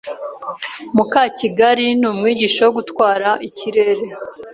Mukakigali ni umwigisha wo gutwara ikirere.